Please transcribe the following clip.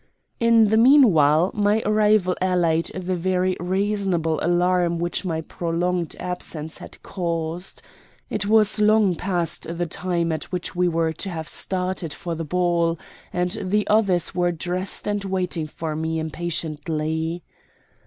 In the mean while my arrival allayed the very reasonable alarm which my prolonged absence had caused. It was long past the time at which we were to have started for the ball, and all the others were dressed and waiting for me impatiently.